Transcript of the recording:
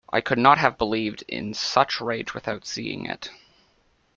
I could not have believed in such rage without seeing it.